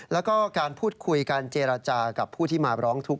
แล้วก็การพูดคุยการเจรจากับผู้ที่มาร้องทุกข